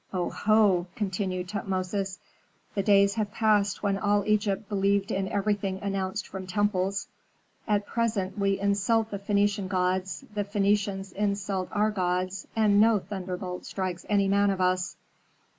"Oho!" continued Tutmosis; "the days have passed when all Egypt believed in everything announced from temples. At present we insult the Phœnician gods, the Phœnicians insult our gods, and no thunderbolt strikes any man of us."